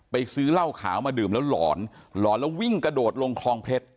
ซื้อเหล้าขาวมาดื่มแล้วหลอนหลอนแล้ววิ่งกระโดดลงคลองเพชร